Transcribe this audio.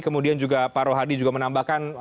kemudian juga pak rohadi juga menambahkan